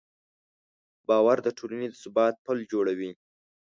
باور د ټولنې د ثبات پل جوړوي.